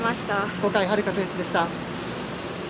小海遥選手でした。